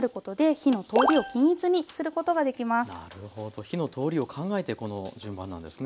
火の通りを考えてこの順番なんですね。